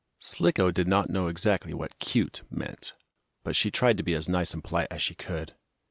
Slicko did not know exactly what "cute" meant, but she tried to be as nice and polite as she could.